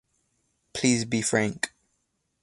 Please be frank.